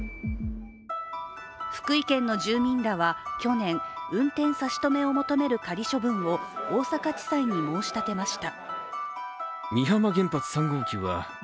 福井県の住民らは、去年、運転差し止めを求める仮処分を大阪地裁に申し立てました。